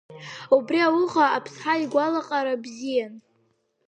Убри ауха Аԥсҳа игәалаҟара бзиан.